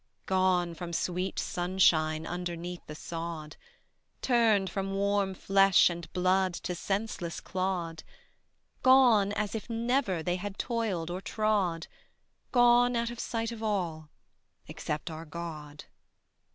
Gone from sweet sunshine Underneath the sod, Turned from warm flesh and blood To senseless clod; Gone as if never They had toiled or trod, Gone out of sight of all Except our God.